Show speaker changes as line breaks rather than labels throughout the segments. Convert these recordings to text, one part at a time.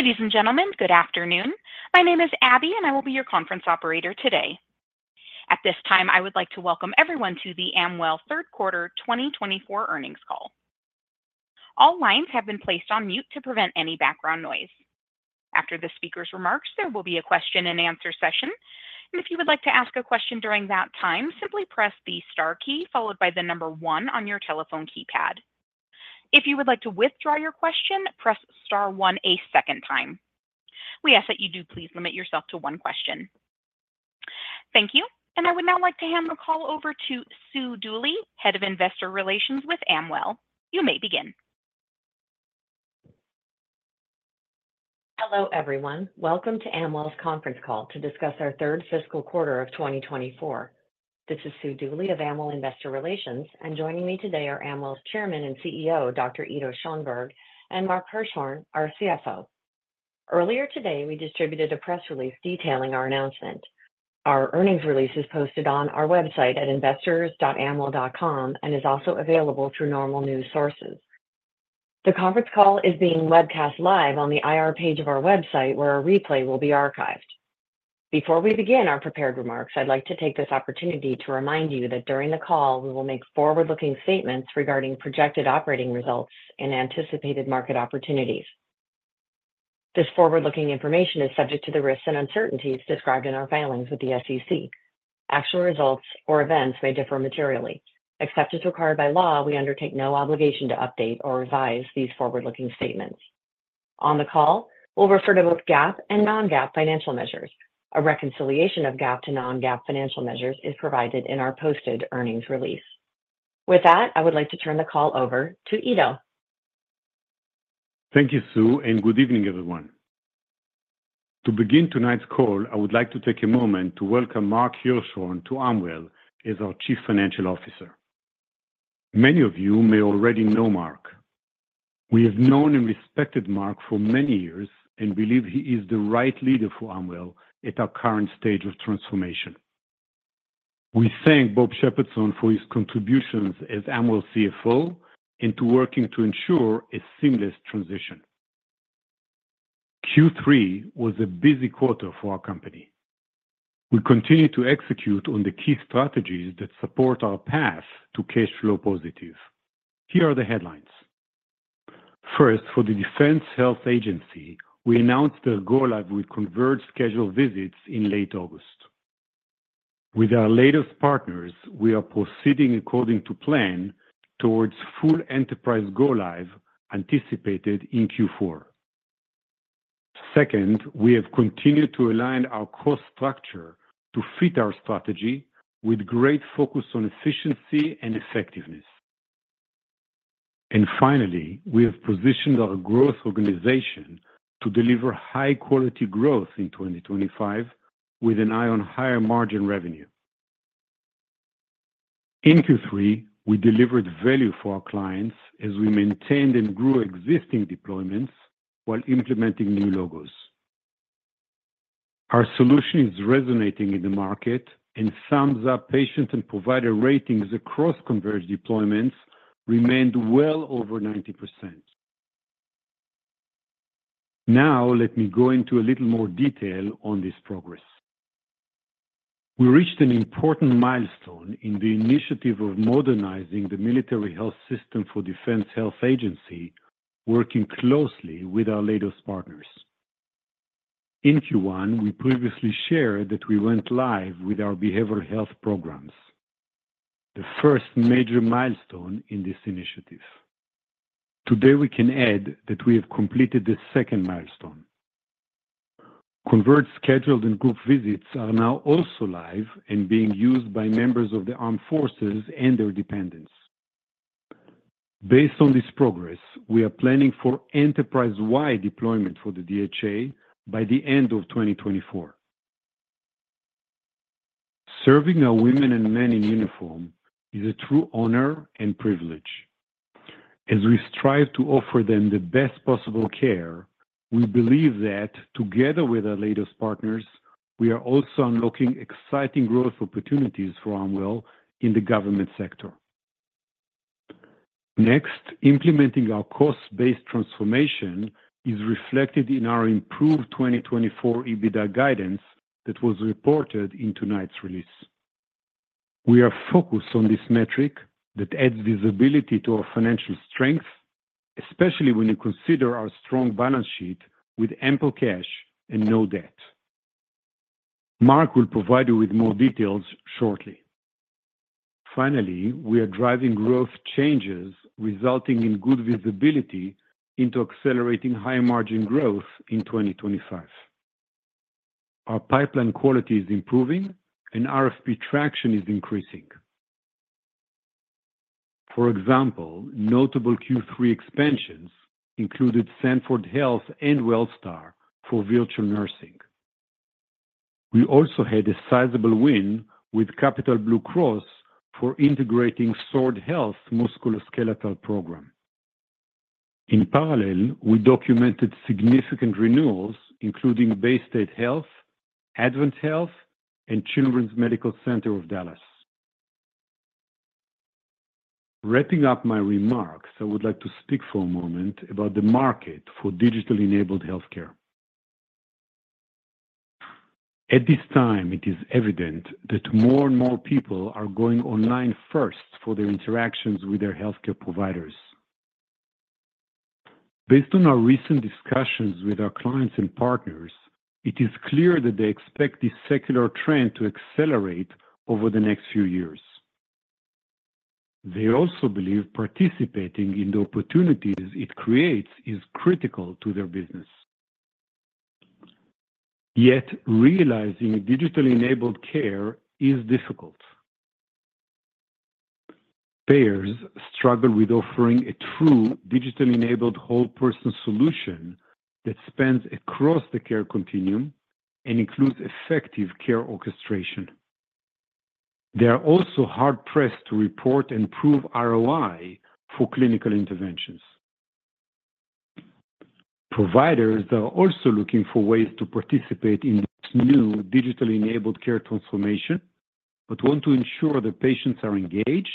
Ladies and gentlemen, good afternoon. My name is Abby, and I will be your conference operator today. At this time, I would like to welcome everyone to the Amwell third quarter 2024 earnings call. All lines have been placed on mute to prevent any background noise. After the speaker's remarks, there will be a question-and-answer session. If you would like to ask a question during that time, simply press the star key followed by the number one on your telephone keypad. If you would like to withdraw your question, press star one a second time. We ask that you do please limit yourself to one question. Thank you. And I would now like to hand the call over to Sue Dooley, Head of Investor Relations with Amwell. You may begin.
Hello, everyone. Welcome to Amwell's conference call to discuss our third fiscal quarter of 2024. This is Sue Dooley of Amwell Investor Relations, and joining me today are Amwell's Chairman and CEO, Dr. Ido Schoenberg, and Mark Hirschhorn, our CFO. Earlier today, we distributed a press release detailing our announcement. Our earnings release is posted on our website at investors.amwell.com and is also available through normal news sources. The conference call is being webcast live on the IR page of our website, where a replay will be archived. Before we begin our prepared remarks, I'd like to take this opportunity to remind you that during the call, we will make forward-looking statements regarding projected operating results and anticipated market opportunities. This forward-looking information is subject to the risks and uncertainties described in our filings with the SEC. Actual results or events may differ materially. Except as required by law, we undertake no obligation to update or revise these forward-looking statements. On the call, we'll refer to both GAAP and non-GAAP financial measures. A reconciliation of GAAP to non-GAAP financial measures is provided in our posted earnings release. With that, I would like to turn the call over to Ido.
Thank you, Sue, and good evening, everyone. To begin tonight's call, I would like to take a moment to welcome Mark Hirschhorn to Amwell as our Chief Financial Officer. Many of you may already know Mark. We have known and respected Mark for many years and believe he is the right leader for Amwell at our current stage of transformation. We thank Bob Shepardson for his contributions as Amwell CFO and to working to ensure a seamless transition. Q3 was a busy quarter for our company. We continue to execute on the key strategies that support our path to cash flow positive. Here are the headlines. First, for the Defense Health Agency, we announced their go-live with Converge scheduled visits in late August. With our Leidos partners, we are proceeding according to plan towards full enterprise go-live anticipated in Q4. Second, we have continued to align our cost structure to fit our strategy with great focus on efficiency and effectiveness, and finally, we have positioned our growth organization to deliver high-quality growth in 2025 with an eye on higher margin revenue. In Q3, we delivered value for our clients as we maintained and grew existing deployments while implementing new logos. Our solution is resonating in the market, and sum of patient and provider ratings across Converge deployments remained well over 90%. Now, let me go into a little more detail on this progress. We reached an important milestone in the initiative of modernizing the Military Health System for Defense Health Agency, working closely with our Leidos partners. In Q1, we previously shared that we went live with our behavioral health programs, the first major milestone in this initiative. Today, we can add that we have completed the second milestone. Converge scheduled and group visits are now also live and being used by members of the armed forces and their dependents. Based on this progress, we are planning for enterprise-wide deployment for the DHA by the end of 2024. Serving our women and men in uniform is a true honor and privilege. As we strive to offer them the best possible care, we believe that together with our Leidos partners, we are also unlocking exciting growth opportunities for Amwell in the government sector. Next, implementing our cost-based transformation is reflected in our improved 2024 EBITDA guidance that was reported in tonight's release. We are focused on this metric that adds visibility to our financial strength, especially when you consider our strong balance sheet with ample cash and no debt. Mark will provide you with more details shortly. Finally, we are driving growth changes resulting in good visibility into accelerating high margin growth in 2025. Our pipeline quality is improving, and RFP traction is increasing. For example, notable Q3 expansions included Sanford Health and Wellstar for virtual nursing. We also had a sizable win with Capital Blue Cross for integrating Sword Health musculoskeletal program. In parallel, we documented significant renewals, including Baystate Health, AdventHealth, and Children's Medical Center of Dallas. Wrapping up my remarks, I would like to speak for a moment about the market for digital-enabled healthcare. At this time, it is evident that more and more people are going online first for their interactions with their healthcare providers. Based on our recent discussions with our clients and partners, it is clear that they expect this secular trend to accelerate over the next few years. They also believe participating in the opportunities it creates is critical to their business. Yet, realizing digital-enabled care is difficult. Payers struggle with offering a true digital-enabled whole person solution that spans across the care continuum and includes effective care orchestration. They are also hard-pressed to report and prove ROI for clinical interventions. Providers are also looking for ways to participate in this new digital-enabled care transformation but want to ensure the patients are engaged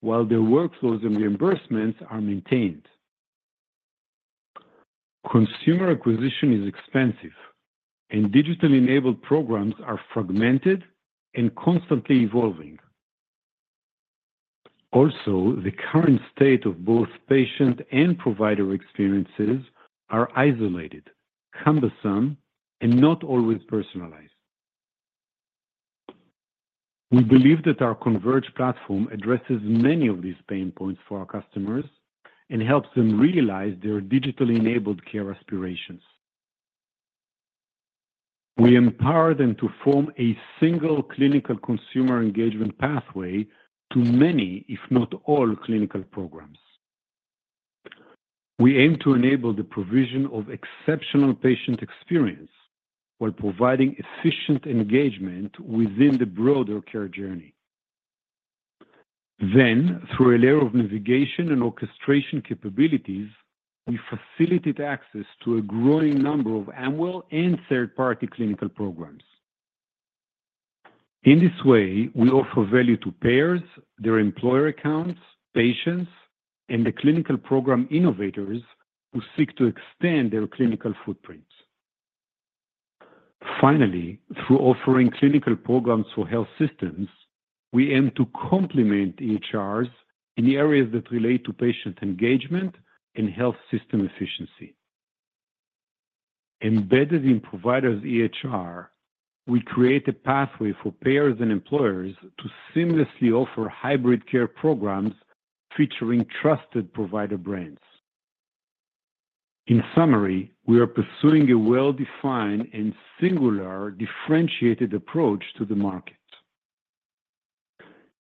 while their workflows and reimbursements are maintained. Consumer acquisition is expensive, and digital-enabled programs are fragmented and constantly evolving. Also, the current state of both patient and provider experiences are isolated, cumbersome, and not always personalized. We believe that our Converge platform addresses many of these pain points for our customers and helps them realize their digital-enabled care aspirations. We empower them to form a single clinical consumer engagement pathway to many, if not all, clinical programs. We aim to enable the provision of exceptional patient experience while providing efficient engagement within the broader care journey. Then, through a layer of navigation and orchestration capabilities, we facilitate access to a growing number of Amwell and third-party clinical programs. In this way, we offer value to payers, their employer accounts, patients, and the clinical program innovators who seek to extend their clinical footprint. Finally, through offering clinical programs for health systems, we aim to complement EHRs in areas that relate to patient engagement and health system efficiency. Embedded in providers' EHR, we create a pathway for payers and employers to seamlessly offer hybrid care programs featuring trusted provider brands. In summary, we are pursuing a well-defined and singular differentiated approach to the market.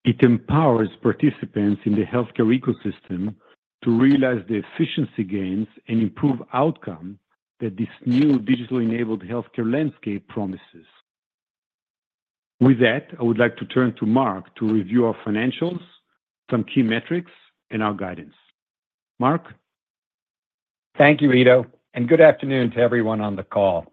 It empowers participants in the healthcare ecosystem to realize the efficiency gains and improve outcomes that this new digital-enabled healthcare landscape promises. With that, I would like to turn to Mark to review our financials, some key metrics, and our guidance. Mark?
Thank you, Ido. And good afternoon to everyone on the call.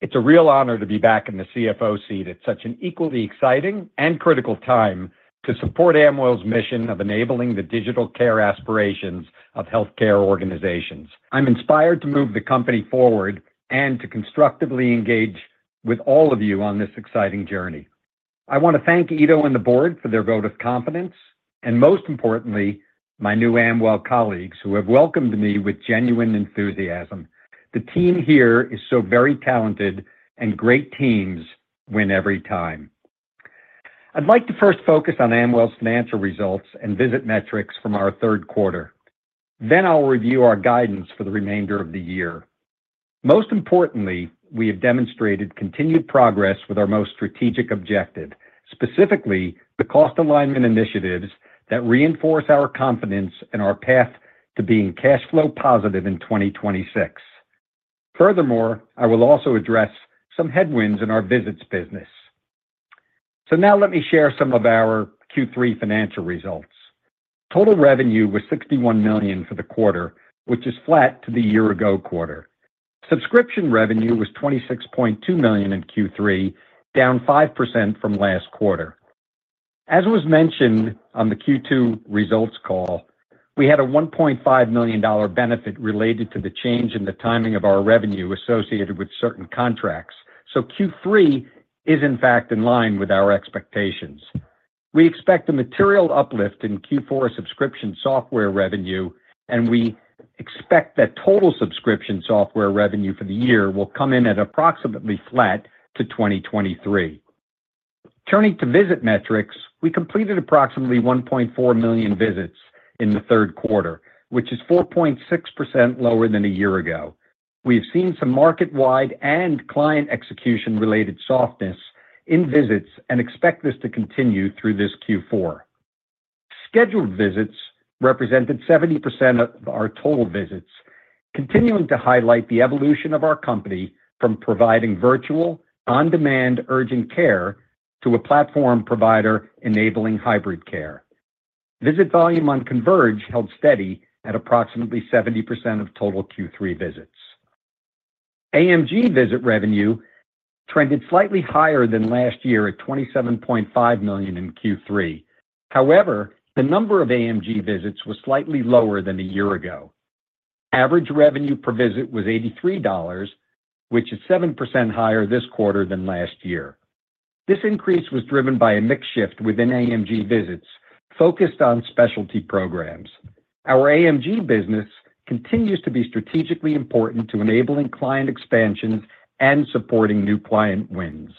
It's a real honor to be back in the CFO seat at such an equally exciting and critical time to support Amwell's mission of enabling the digital care aspirations of healthcare organizations. I'm inspired to move the company forward and to constructively engage with all of you on this exciting journey. I want to thank Ido and the board for their vote of confidence, and most importantly, my new Amwell colleagues who have welcomed me with genuine enthusiasm. The team here is so very talented, and great teams win every time. I'd like to first focus on Amwell's financial results and visit metrics from our third quarter. Then I'll review our guidance for the remainder of the year. Most importantly, we have demonstrated continued progress with our most strategic objective, specifically the cost alignment initiatives that reinforce our confidence and our path to being cash flow positive in 2026. Furthermore, I will also address some headwinds in our visits business. So now let me share some of our Q3 financial results. Total revenue was $61 million for the quarter, which is flat to the year-ago quarter. Subscription revenue was $26.2 million in Q3, down 5% from last quarter. As was mentioned on the Q2 results call, we had a $1.5 million benefit related to the change in the timing of our revenue associated with certain contracts. So Q3 is, in fact, in line with our expectations. We expect a material uplift in Q4 subscription software revenue, and we expect that total subscription software revenue for the year will come in at approximately flat to 2023. Turning to visit metrics, we completed approximately 1.4 million visits in the third quarter, which is 4.6% lower than a year ago. We have seen some market-wide and client execution-related softness in visits and expect this to continue through this Q4. Scheduled visits represented 70% of our total visits, continuing to highlight the evolution of our company from providing virtual on-demand urgent care to a platform provider enabling hybrid care. Visit volume on Converge held steady at approximately 70% of total Q3 visits. AMG visit revenue trended slightly higher than last year at $27.5 million in Q3. However, the number of AMG visits was slightly lower than a year ago. Average revenue per visit was $83, which is 7% higher this quarter than last year. This increase was driven by a mixed shift within AMG visits focused on specialty programs. Our AMG business continues to be strategically important to enabling client expansions and supporting new client wins.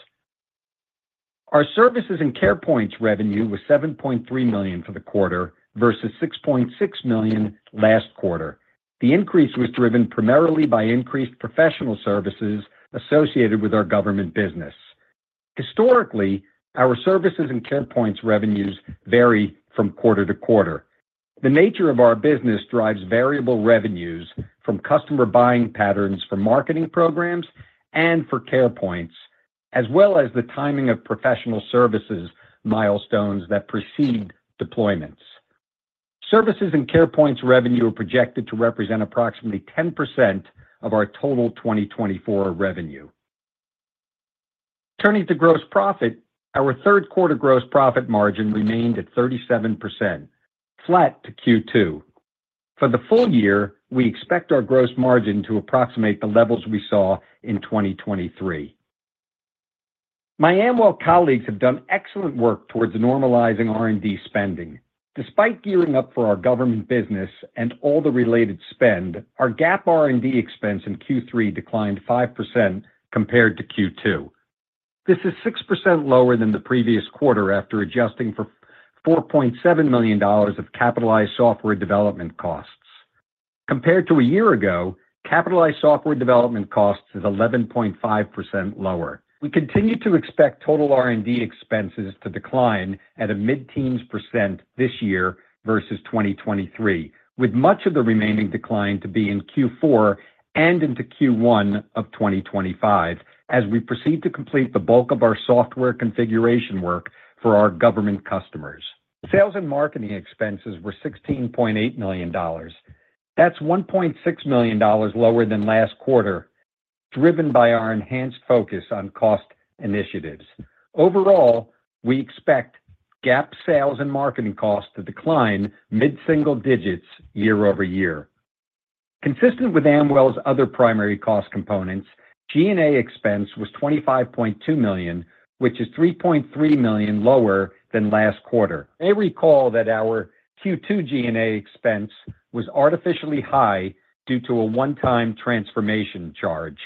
Our services and CarePoints revenue was $7.3 million for the quarter versus $6.6 million last quarter. The increase was driven primarily by increased professional services associated with our government business. Historically, our services and CarePoints revenues vary from quarter to quarter. The nature of our business drives variable revenues from customer buying patterns for marketing programs and for CarePoints, as well as the timing of professional services milestones that precede deployments. Services and CarePoints revenue are projected to represent approximately 10% of our total 2024 revenue. Turning to gross profit, our third quarter gross profit margin remained at 37%, flat to Q2. For the full year, we expect our gross margin to approximate the levels we saw in 2023. Our Amwell colleagues have done excellent work towards normalizing R&D spending. Despite gearing up for our government business and all the related spend, our GAAP R&D expense in Q3 declined 5% compared to Q2. This is 6% lower than the previous quarter after adjusting for $4.7 million of capitalized software development costs. Compared to a year ago, capitalized software development costs is 11.5% lower. We continue to expect total R&D expenses to decline at a mid-teens % this year versus 2023, with much of the remaining decline to be in Q4 and into Q1 of 2025 as we proceed to complete the bulk of our software configuration work for our government customers. Sales and marketing expenses were $16.8 million. That's $1.6 million lower than last quarter, driven by our enhanced focus on cost initiatives. Overall, we expect GAAP sales and marketing costs to decline mid-single digits % year over year. Consistent with Amwell's other primary cost components, G&A expense was $25.2 million, which is $3.3 million lower than last quarter. I recall that our Q2 G&A expense was artificially high due to a one-time transformation charge.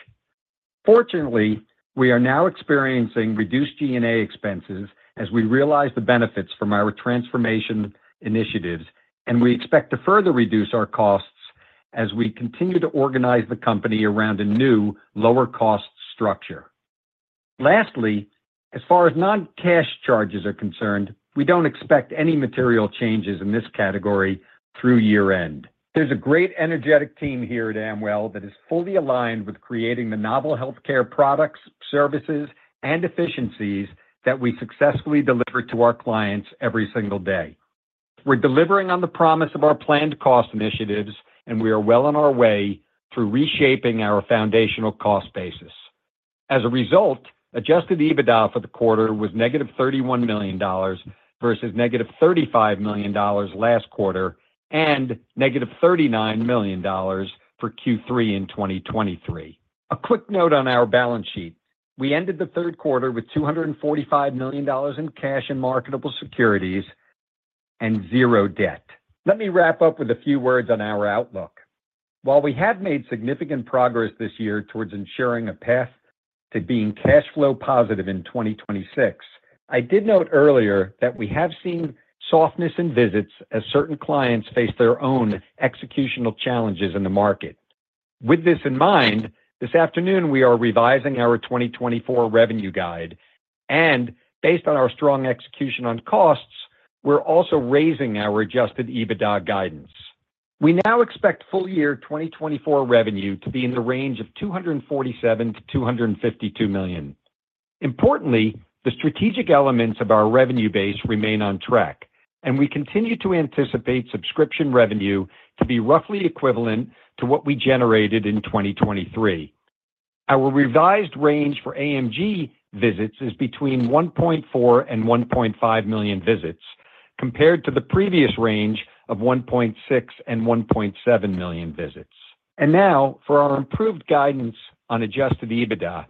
Fortunately, we are now experiencing reduced G&A expenses as we realize the benefits from our transformation initiatives, and we expect to further reduce our costs as we continue to organize the company around a new lower-cost structure. Lastly, as far as non-cash charges are concerned, we don't expect any material changes in this category through year-end. There's a great energetic team here at Amwell that is fully aligned with creating the novel healthcare products, services, and efficiencies that we successfully deliver to our clients every single day. We're delivering on the promise of our planned cost initiatives, and we are well on our way through reshaping our foundational cost basis. As a result, Adjusted EBITDA for the quarter was negative $31 million versus negative $35 million last quarter and negative $39 million for Q3 in 2023. A quick note on our balance sheet. We ended the third quarter with $245 million in cash and marketable securities and zero debt. Let me wrap up with a few words on our outlook. While we have made significant progress this year towards ensuring a path to being cash flow positive in 2026, I did note earlier that we have seen softness in visits as certain clients face their own executional challenges in the market. With this in mind, this afternoon, we are revising our 2024 revenue guide, and based on our strong execution on costs, we're also raising our Adjusted EBITDA guidance. We now expect full-year 2024 revenue to be in the range of $247 million-$252 million. Importantly, the strategic elements of our revenue base remain on track, and we continue to anticipate subscription revenue to be roughly equivalent to what we generated in 2023. Our revised range for AMG visits is between 1.4 and 1.5 million visits compared to the previous range of 1.6 and 1.7 million visits. Now, for our improved guidance on Adjusted EBITDA.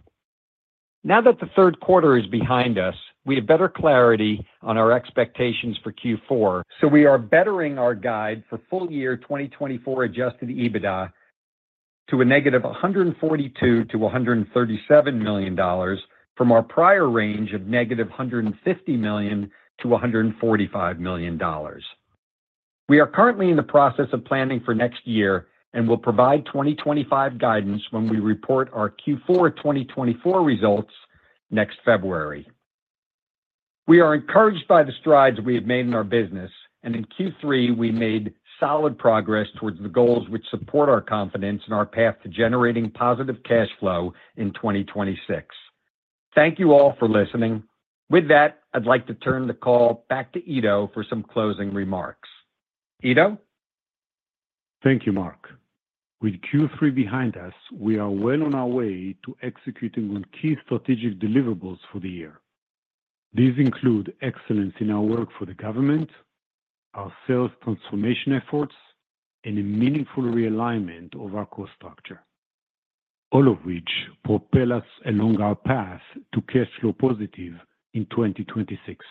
Now that the third quarter is behind us, we have better clarity on our expectations for Q4, so we are bettering our guide for full-year 2024 Adjusted EBITDA to a negative $142-$137 million from our prior range of negative $150-$145 million. We are currently in the process of planning for next year and will provide 2025 guidance when we report our Q4 2024 results next February. We are encouraged by the strides we have made in our business, and in Q3, we made solid progress towards the goals which support our confidence in our path to generating positive cash flow in 2026. Thank you all for listening. With that, I'd like to turn the call back to Ido for some closing remarks. Ido?
Thank you, Mark. With Q3 behind us, we are well on our way to executing on key strategic deliverables for the year. These include excellence in our work for the government, our sales transformation efforts, and a meaningful realignment of our cost structure, all of which propel us along our path to cash flow positive in 2026.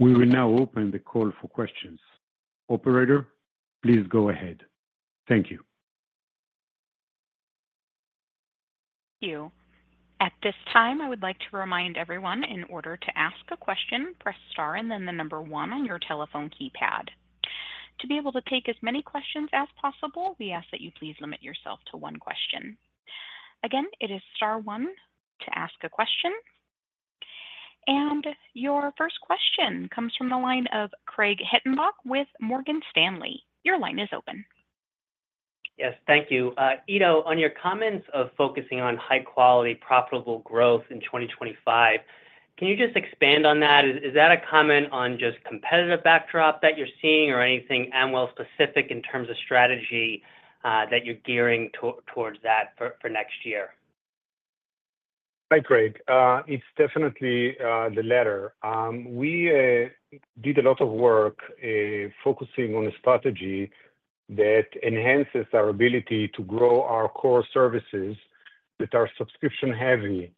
We will now open the call for questions. Operator, please go ahead. Thank you.
Thank you. At this time, I would like to remind everyone, in order to ask a question, press star and then the number one on your telephone keypad. To be able to take as many questions as possible, we ask that you please limit yourself to one question. Again, it is star one to ask a question. And your first question comes from the line of Craig Hettenbach with Morgan Stanley. Your line is open.
Yes, thank you. Ido, on your comments of focusing on high-quality, profitable growth in 2025, can you just expand on that? Is that a comment on just competitive backdrop that you're seeing or anything Amwell-specific in terms of strategy that you're gearing towards that for next year?
Hi, Craig. It's definitely the latter. We did a lot of work focusing on a strategy that enhances our ability to grow our core services that are subscription-heavy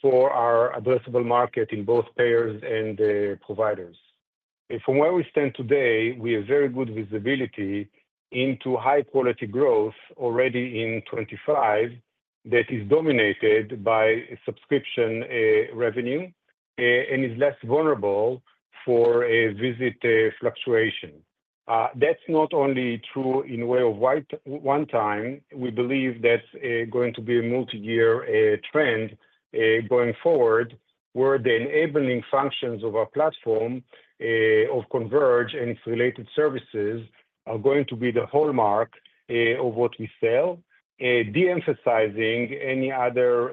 for our addressable market in both payers and providers. From where we stand today, we have very good visibility into high-quality growth already in 2025 that is dominated by subscription revenue and is less vulnerable for visit fluctuation. That's not only true in a way of one time. We believe that's going to be a multi-year trend going forward where the enabling functions of our platform of Converge and its related services are going to be the hallmark of what we sell, de-emphasizing any other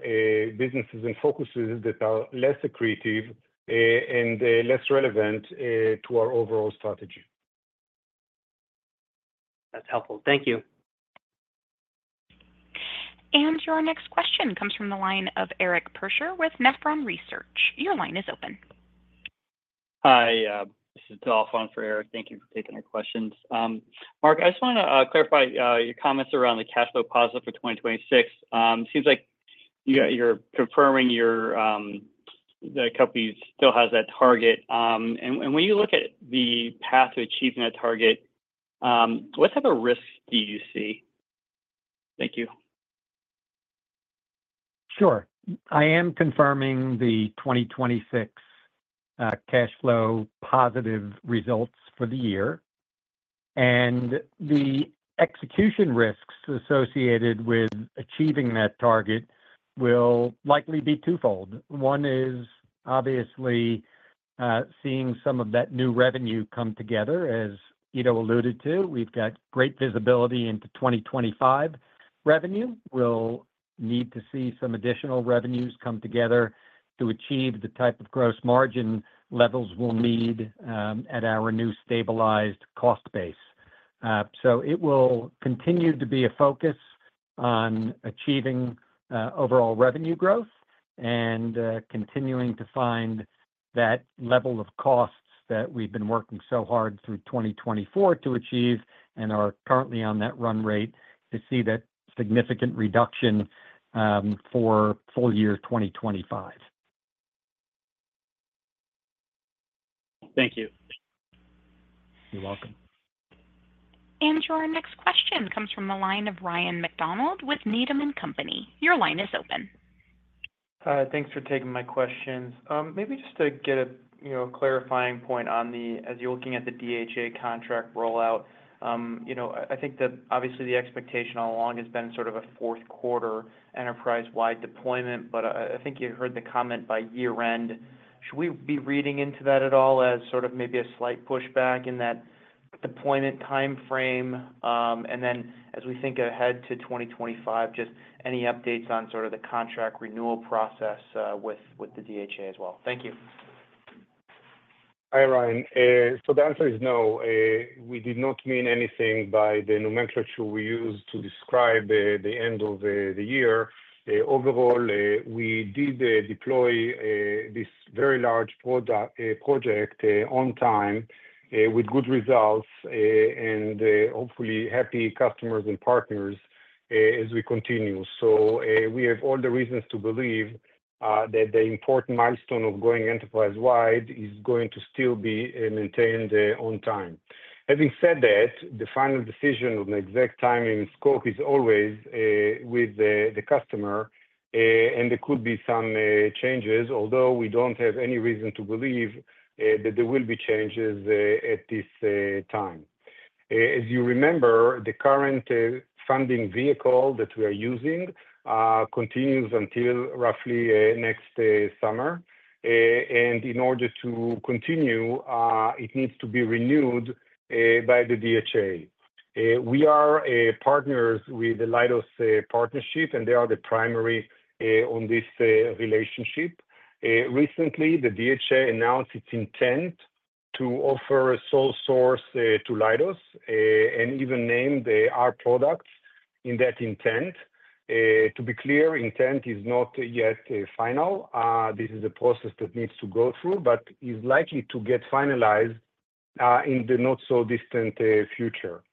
businesses and focuses that are less accretive and less relevant to our overall strategy.
That's helpful. Thank you.
And your next question comes from the line of Eric Percher with Nephron Research. Your line is open. Hi. This is Dawn for Eric. Thank you for taking our questions. Mark, I just want to clarify your comments around the cash flow positive for 2026. It seems like you're confirming that the company still has that target. And when you look at the path to achieving that target, what type of risks do you see? Thank you.
Sure. I am confirming the 2026 cash flow positive results for the year, and the execution risks associated with achieving that target will likely be twofold. One is obviously seeing some of that new revenue come together, as Ido alluded to. We've got great visibility into 2025 revenue. We'll need to see some additional revenues come together to achieve the type of gross margin levels we'll need at our new stabilized cost base, so it will continue to be a focus on achieving overall revenue growth and continuing to find that level of costs that we've been working so hard through 2024 to achieve and are currently on that run rate to see that significant reduction for full-year 2025. Thank you.
You're welcome.
Your next question comes from the line of Ryan MacDonald with Needham & Company. Your line is open.
Thanks for taking my questions. Maybe just to get a clarifying point on the as you're looking at the DHA contract rollout. I think that obviously the expectation all along has been sort of a fourth quarter enterprise-wide deployment, but I think you heard the comment by year-end. Should we be reading into that at all as sort of maybe a slight pushback in that deployment timeframe? And then as we think ahead to 2025, just any updates on sort of the contract renewal process with the DHA as well? Thank you.
Hi, Ryan. So the answer is no. We did not mean anything by the nomenclature we used to describe the end of the year. Overall, we did deploy this very large project on time with good results and hopefully happy customers and partners as we continue. So we have all the reasons to believe that the important milestone of going enterprise-wide is going to still be maintained on time. Having said that, the final decision on the exact timing and scope is always with the customer, and there could be some changes, although we don't have any reason to believe that there will be changes at this time. As you remember, the current funding vehicle that we are using continues until roughly next summer. And in order to continue, it needs to be renewed by the DHA. We are partners with the Leidos partnership, and they are the primary on this relationship. Recently, the DHA announced its intent to offer a sole source to Leidos and even named our products in that intent. To be clear, intent is not yet final. This is a process that needs to go through, but is likely to get finalized in the not-so-distant future.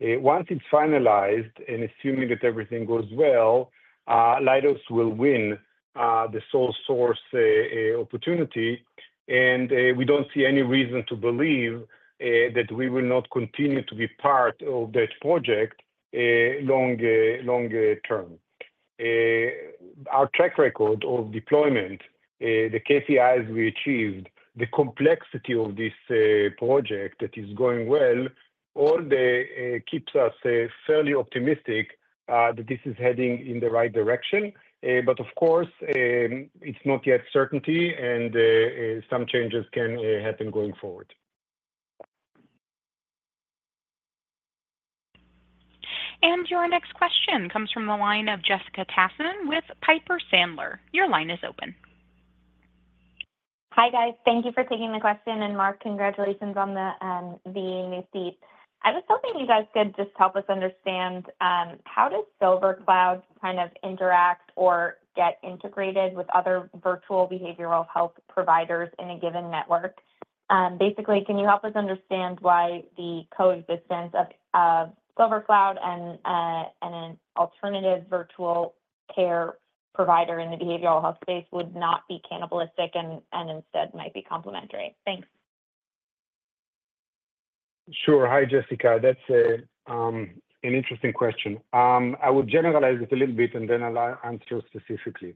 Once it's finalized and assuming that everything goes well, Leidos will win the sole source opportunity, and we don't see any reason to believe that we will not continue to be part of that project long term. Our track record of deployment, the KPIs we achieved, the complexity of this project that is going well, all keeps us fairly optimistic that this is heading in the right direction. But of course, it's not yet certainty, and some changes can happen going forward.
Your next question comes from the line of Jessica Tassan with Piper Sandler. Your line is open.
Hi guys. Thank you for taking the question and Mark, congratulations on the new seat. I was hoping you guys could just help us understand how does SilverCloud kind of interact or get integrated with other virtual behavioral health providers in a given network? Basically, can you help us understand why the coexistence of SilverCloud and an alternative virtual care provider in the behavioral health space would not be cannibalistic and instead might be complementary? Thanks.
Sure. Hi, Jessica. That's an interesting question. I will generalize it a little bit and then I'll answer specifically.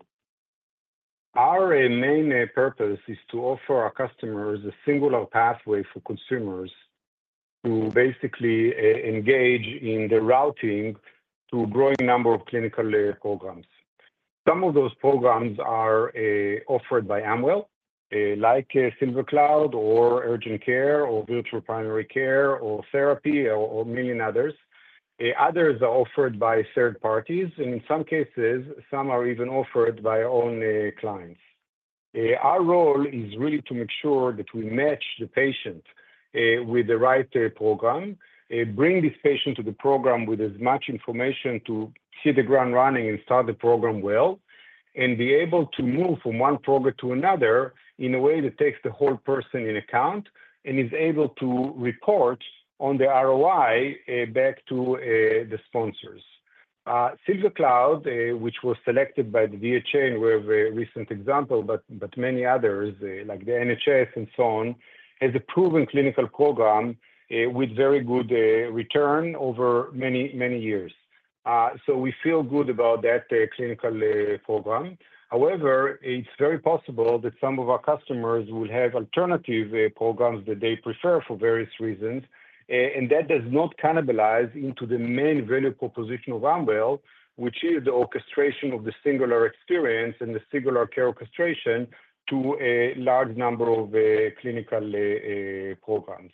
Our main purpose is to offer our customers a singular pathway for consumers who basically engage in the routing to a growing number of clinical programs. Some of those programs are offered by Amwell, like SilverCloud or Urgent Care or Virtual Primary Care or Therapy or many others. Others are offered by third parties, and in some cases, some are even offered by our own clients. Our role is really to make sure that we match the patient with the right program, bring this patient to the program with as much information to hit the ground running and start the program well, and be able to move from one program to another in a way that takes the whole person into account and is able to report on the ROI back to the sponsors. SilverCloud, which was selected by the DHA and we have a recent example, but many others like the NHS and so on, has a proven clinical program with very good returns over many, many years. So we feel good about that clinical program. However, it's very possible that some of our customers will have alternative programs that they prefer for various reasons, and that does not cannibalize into the main value proposition of Amwell, which is the orchestration of the singular experience and the singular care orchestration to a large number of clinical programs.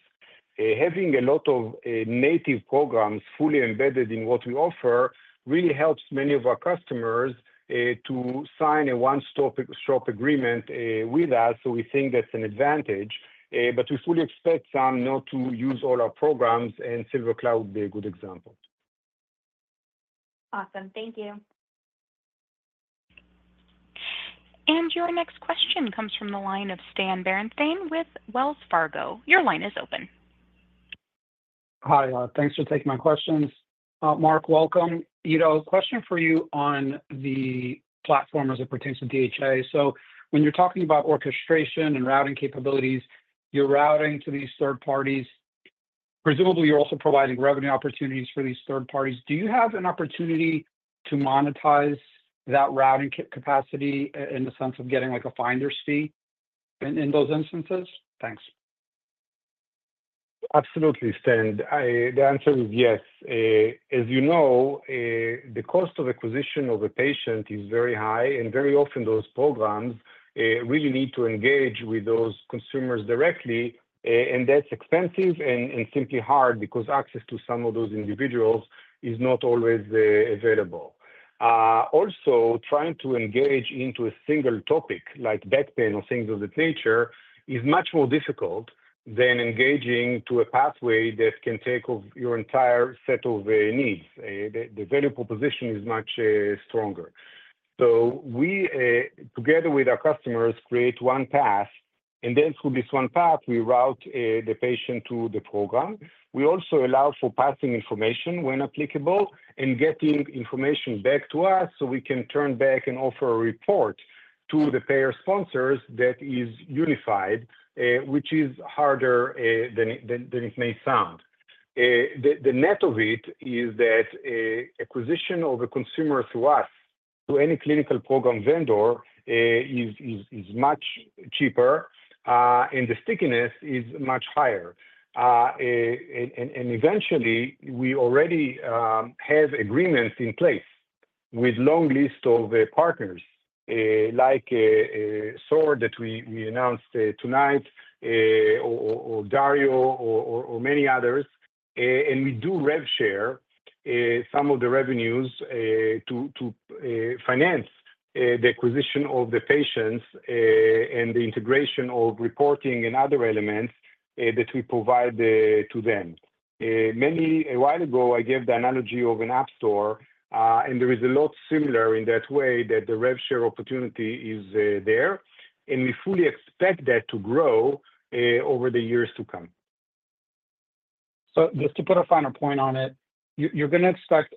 Having a lot of native programs fully embedded in what we offer really helps many of our customers to sign a one-stop shop agreement with us, so we think that's an advantage. But we fully expect some not to use all our programs, and SilverCloud would be a good example.
Awesome. Thank you.
Your next question comes from the line of Stan Berenshteyn with Wells Fargo. Your line is open.
Hi. Thanks for taking my questions. Mark, welcome. Ido, question for you on the platform as it pertains to DHA. So when you're talking about orchestration and routing capabilities, you're routing to these third parties. Presumably, you're also providing revenue opportunities for these third parties. Do you have an opportunity to monetize that routing capacity in the sense of getting a finder's fee in those instances? Thanks.
Absolutely, Stan. The answer is yes. As you know, the cost of acquisition of a patient is very high, and very often those programs really need to engage with those consumers directly, and that's expensive and simply hard because access to some of those individuals is not always available. Also, trying to engage into a single topic like back pain or things of that nature is much more difficult than engaging to a pathway that can take of your entire set of needs. The value proposition is much stronger. So we, together with our customers, create one path, and then through this one path, we route the patient to the program. We also allow for passing information when applicable and getting information back to us so we can turn back and offer a report to the payer sponsors that is unified, which is harder than it may sound. The net of it is that acquisition of a consumer through us to any clinical program vendor is much cheaper, and the stickiness is much higher, and eventually, we already have agreements in place with long lists of partners like Sword that we announced tonight or Dario or many others, and we do rev share some of the revenues to finance the acquisition of the patients and the integration of reporting and other elements that we provide to them. A while ago, I gave the analogy of an app store, and there is a lot similar in that way that the rev share opportunity is there, and we fully expect that to grow over the years to come.
Just to put a finer point on it, you're going to expect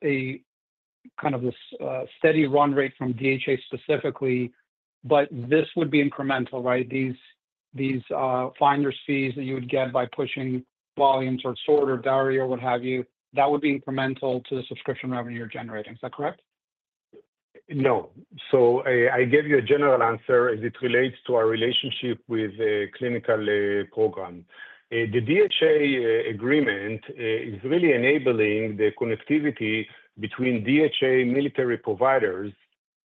kind of this steady run rate from DHA specifically, but this would be incremental, right? These finder's fees that you would get by pushing volumes or Sword or Dario or what have you, that would be incremental to the subscription revenue you're generating. Is that correct?
No. So I gave you a general answer as it relates to our relationship with clinical programs. The DHA agreement is really enabling the connectivity between DHA military providers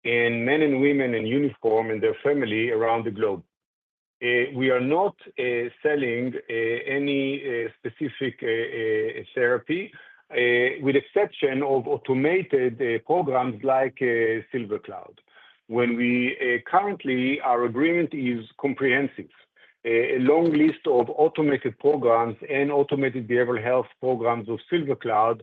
and men and women in uniform and their family around the globe. We are not selling any specific therapy with the exception of automated programs like SilverCloud. Currently, our agreement is comprehensive. A long list of automated programs and automated behavioral health programs of SilverCloud,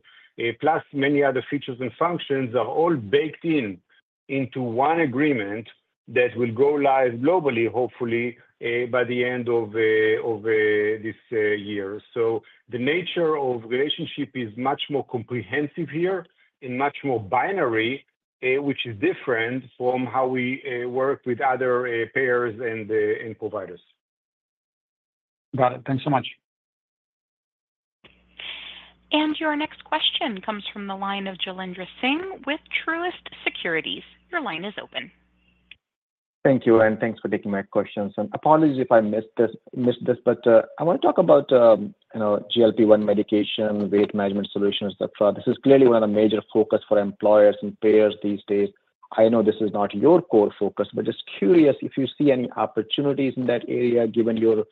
plus many other features and functions, are all baked into one agreement that will go live globally, hopefully, by the end of this year. So the nature of relationship is much more comprehensive here and much more binary, which is different from how we work with other payers and providers.
Got it. Thanks so much.
Your next question comes from the line of Jailendra Singh with Truist Securities. Your line is open.
Thank you, Ryan. Thanks for taking my questions, and apologies if I missed this, but I want to talk about GLP-1 medication, weight management solutions, etc. This is clearly one of the major focuses for employers and payers these days. I know this is not your core focus, but just curious if you see any opportunities in that area given your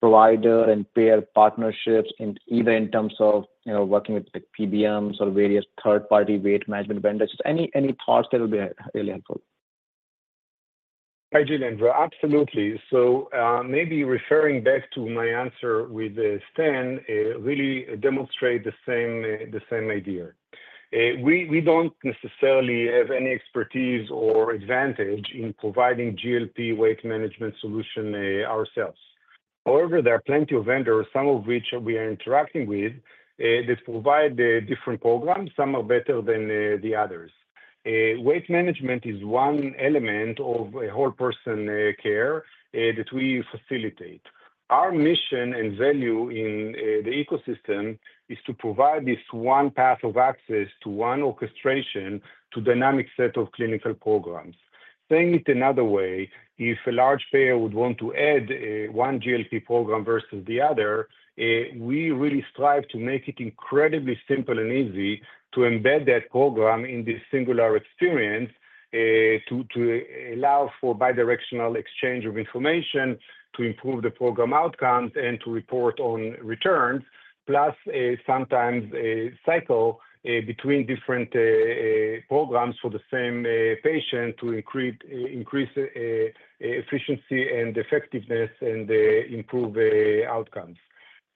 provider and payer partnerships, either in terms of working with PBMs or various third-party weight management vendors. Any thoughts that will be really helpful?
Hi, Jailendra. Absolutely. Maybe referring back to my answer with Stan, really demonstrate the same idea. We don't necessarily have any expertise or advantage in providing GLP-1 weight management solution ourselves. However, there are plenty of vendors, some of which we are interacting with, that provide different programs. Some are better than the others. Weight management is one element of a whole person care that we facilitate. Our mission and value in the ecosystem is to provide this one path of access to one orchestration to a dynamic set of clinical programs. Saying it another way, if a large payer would want to add one GLP program versus the other, we really strive to make it incredibly simple and easy to embed that program in this singular experience to allow for bidirectional exchange of information, to improve the program outcomes, and to report on returns, plus sometimes a cycle between different programs for the same patient to increase efficiency and effectiveness and improve outcomes.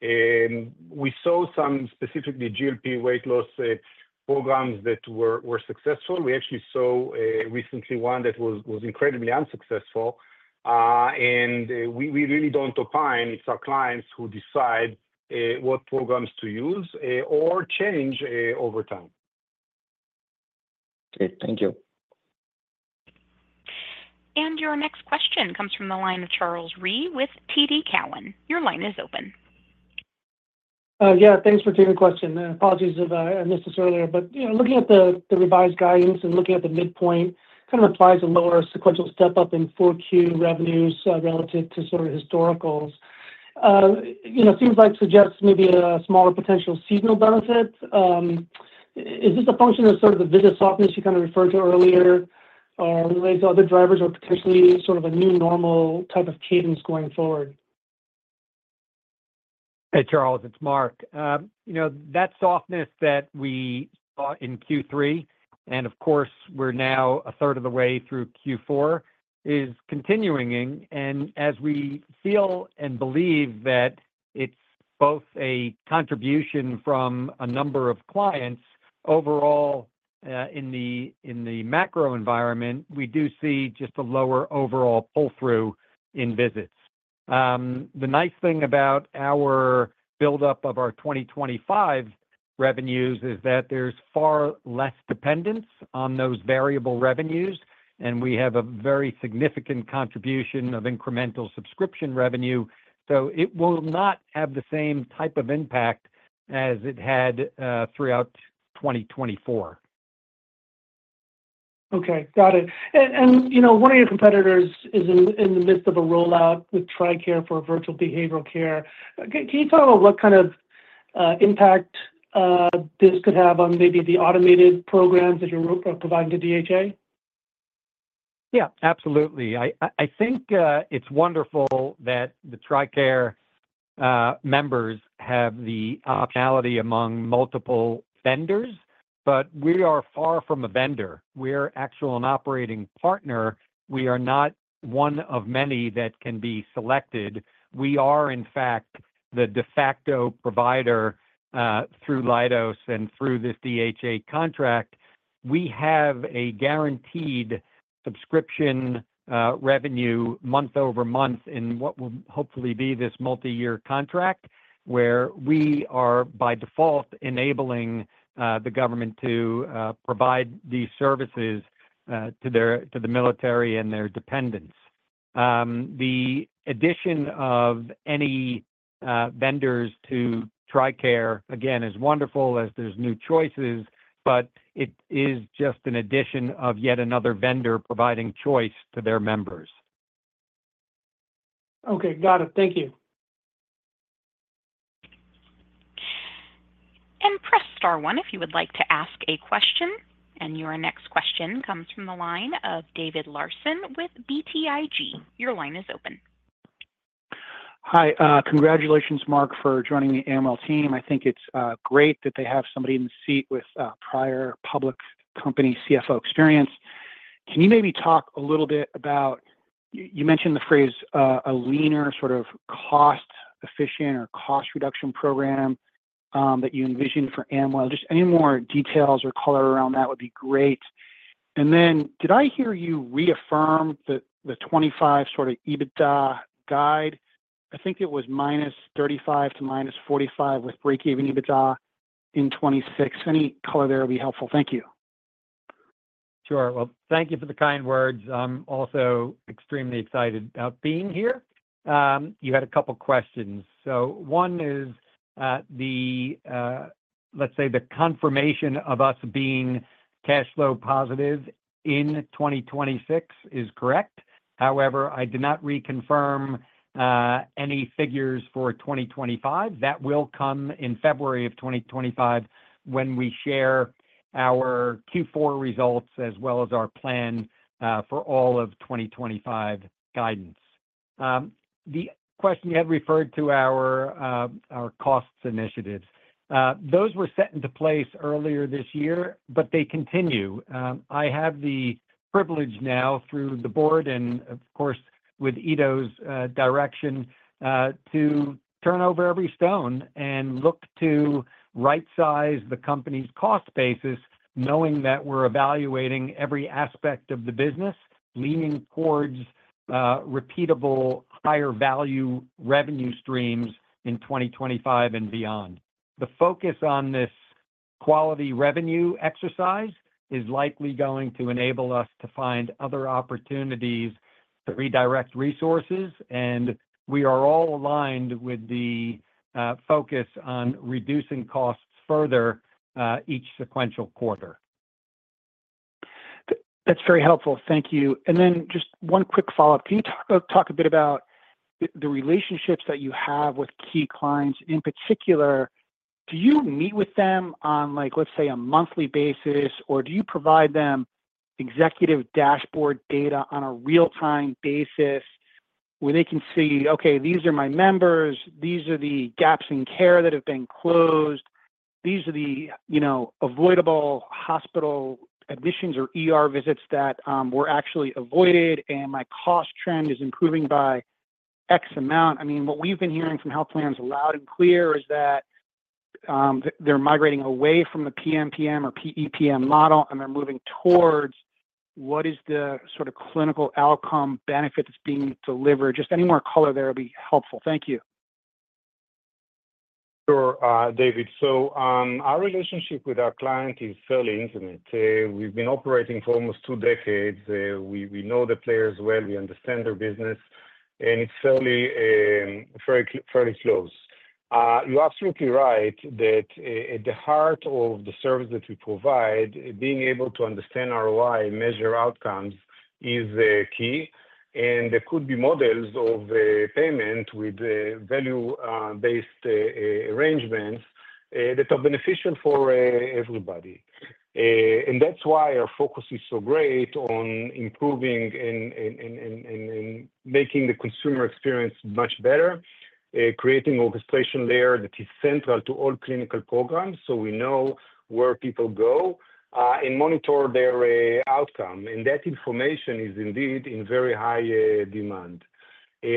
We saw some specific GLP weight loss programs that were successful. We actually saw recently one that was incredibly unsuccessful, and we really don't opine. It's our clients who decide what programs to use or change over time.
Great. Thank you.
Your next question comes from the line of Charles Rhyee with TD Cowen. Your line is open.
Yeah. Thanks for taking the question. Apologies if I missed this earlier, but looking at the revised guidance and looking at the midpoint, kind of applies a lower sequential step up in 4Q revenues relative to sort of historicals. Seems like it suggests maybe a smaller potential seasonal benefit. Is this a function of sort of the visit softness you kind of referred to earlier, or are there other drivers, or potentially sort of a new normal type of cadence going forward?
Hey, Charles. It's Mark. That softness that we saw in Q3, and of course, we're now a third of the way through Q4, is continuing. And as we feel and believe that it's both a contribution from a number of clients, overall, in the macro environment, we do see just a lower overall pull-through in visits. The nice thing about our buildup of our 2025 revenues is that there's far less dependence on those variable revenues, and we have a very significant contribution of incremental subscription revenue. So it will not have the same type of impact as it had throughout 2024.
Okay. Got it. And one of your competitors is in the midst of a rollout with TRICARE for virtual behavioral care. Can you talk about what kind of impact this could have on maybe the automated programs that you're providing to DHA?
Yeah. Absolutely. I think it's wonderful that the TRICARE members have the optionality among multiple vendors, but we are far from a vendor. We're an actual operating partner. We are not one of many that can be selected. We are, in fact, the de facto provider through Leidos and through this DHA contract. We have a guaranteed subscription revenue month over month in what will hopefully be this multi-year contract where we are, by default, enabling the government to provide these services to the military and their dependents. The addition of any vendors to TRICARE, again, is wonderful as there's new choices, but it is just an addition of yet another vendor providing choice to their members.
Okay. Got it. Thank you.
And press star one if you would like to ask a question. And your next question comes from the line of David Larsen with BTIG. Your line is open.
Hi. Congratulations, Mark, for joining the Amwell team. I think it's great that they have somebody in the seat with prior public company CFO experience. Can you maybe talk a little bit about you mentioned the phrase a leaner sort of cost-efficient or cost-reduction program that you envisioned for Amwell. Just any more details or color around that would be great. And then did I hear you reaffirm that the 2025 sort of EBITDA guide, I think it was -35 to -45 with break-even EBITDA in 2026? Any color there would be helpful. Thank you.
Sure. Well, thank you for the kind words. I'm also extremely excited about being here. You had a couple of questions. So one is, let's say, the confirmation of us being cash flow positive in 2026 is correct. However, I did not reconfirm any figures for 2025. That will come in February of 2025 when we share our Q4 results as well as our plan for all of 2025 guidance. The question you had referred to our cost initiatives. Those were set into place earlier this year, but they continue. I have the privilege now, through the board and, of course, with Ido's direction, to turn over every stone and look to right-size the company's cost basis, knowing that we're evaluating every aspect of the business, leaning towards repeatable higher value revenue streams in 2025 and beyond. The focus on this quality revenue exercise is likely going to enable us to find other opportunities to redirect resources, and we are all aligned with the focus on reducing costs further each sequential quarter.
That's very helpful. Thank you. And then just one quick follow-up. Can you talk a bit about the relationships that you have with key clients? In particular, do you meet with them on, let's say, a monthly basis, or do you provide them executive dashboard data on a real-time basis where they can see, "Okay, these are my members. These are the gaps in care that have been closed. These are the avoidable hospital admissions or visits that were actually avoided, and my cost trend is improving by X amount"? I mean, what we've been hearing from health plans loud and clear is that they're migrating away from the PMPM or PEPM model, and they're moving towards what is the sort of clinical outcome benefit that's being delivered. Just any more color there would be helpful. Thank you.
Sure, David. So our relationship with our client is fairly intimate. We've been operating for almost two decades. We know the players well. We understand their business, and it's fairly close. You're absolutely right that at the heart of the service that we provide, being able to understand ROI and measure outcomes is key. And there could be models of payment with value-based arrangements that are beneficial for everybody. And that's why our focus is so great on improving and making the consumer experience much better, creating an orchestration layer that is central to all clinical programs so we know where people go and monitor their outcome. And that information is indeed in very high demand.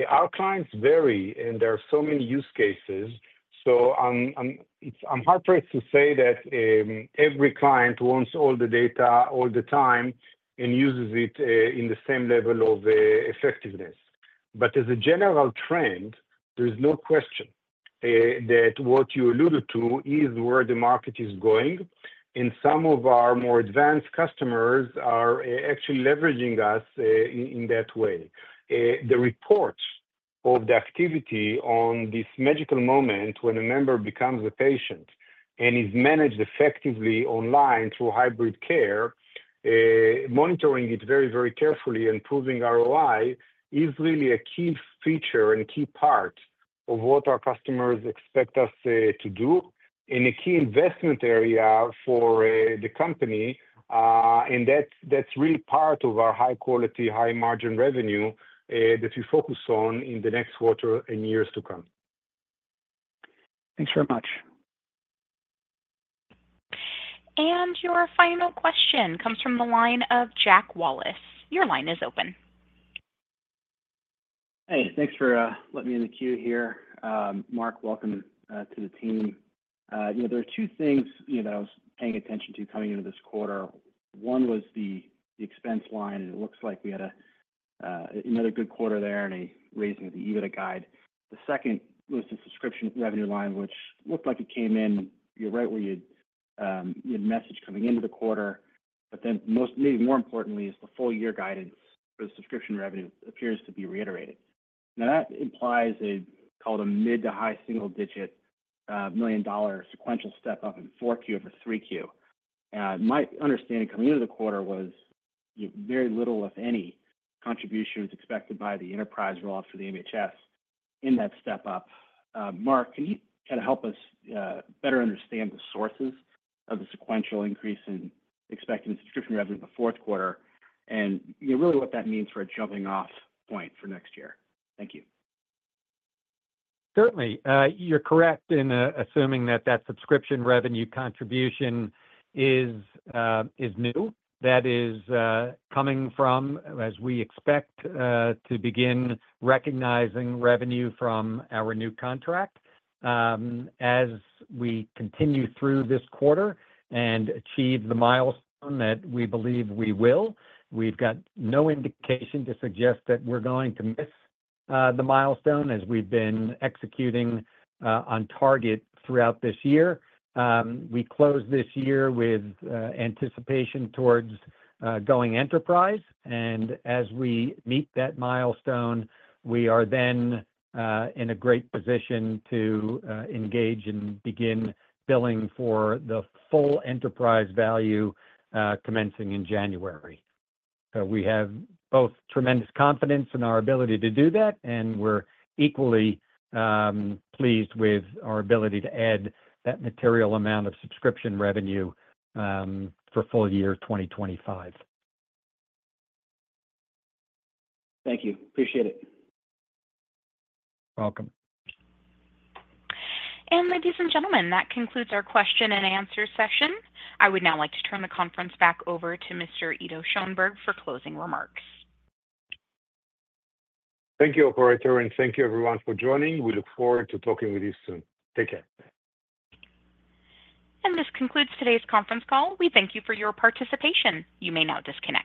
Our clients vary, and there are so many use cases. So I'm heartbroken to say that every client wants all the data all the time and uses it in the same level of effectiveness. But as a general trend, there is no question that what you alluded to is where the market is going. And some of our more advanced customers are actually leveraging us in that way. The report of the activity on this magical moment when a member becomes a patient and is managed effectively online through hybrid care, monitoring it very, very carefully and proving ROI is really a key feature and key part of what our customers expect us to do and a key investment area for the company. And that's really part of our high-quality, high-margin revenue that we focus on in the next quarter and years to come.
Thanks very much.
Your final question comes from the line of Jack Wallace. Your line is open. Hey. Thanks for letting me in the queue here. Mark, welcome to the team. There are two things that I was paying attention to coming into this quarter. One was the expense line, and it looks like we had another good quarter there and a raising of the EBITDA guide. The second was the subscription revenue line, which looked like it came in right where you had messaged coming into the quarter. But then, maybe more importantly, the full-year guidance for the subscription revenue appears to be reiterated. Now, that implies, call it a mid- to high-single-digit million-dollar sequential step up in 4Q over 3Q. My understanding coming into the quarter was very little, if any, contribution was expected from the enterprise rollout for the MHS in that step up. Mark, can you kind of help us better understand the sources of the sequential increase in expected subscription revenue in the fourth quarter and really what that means for a jumping-off point for next year? Thank you.
Certainly. You're correct in assuming that that subscription revenue contribution is new. That is coming from, as we expect, to begin recognizing revenue from our new contract. As we continue through this quarter and achieve the milestone that we believe we will, we've got no indication to suggest that we're going to miss the milestone as we've been executing on target throughout this year. We closed this year with anticipation towards going enterprise. And as we meet that milestone, we are then in a great position to engage and begin billing for the full enterprise value commencing in January. So we have both tremendous confidence in our ability to do that, and we're equally pleased with our ability to add that material amount of subscription revenue for full year 2025. Thank you. Appreciate it. Welcome.
Ladies and gentlemen, that concludes our question and answer session. I would now like to turn the conference back over to Mr. Ido Schoenberg for closing remarks.
Thank you, Operator, and thank you, everyone, for joining. We look forward to talking with you soon. Take care.
This concludes today's conference call. We thank you for your participation. You may now disconnect.